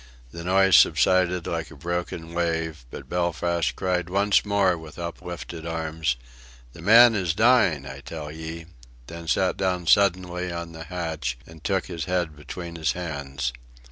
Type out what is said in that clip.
The noise subsided like a broken wave: but Belfast cried once more with uplifted arms: "The man is dying I tell ye!" then sat down suddenly on the hatch and took his head between his hands.